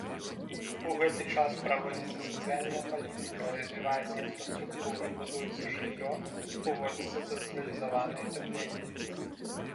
У гэты час праводзіцца сацыяльная палітыка, развіваецца інфраструктура, будуецца жыллё, уводзіцца цэнтралізаванае ацяпленне.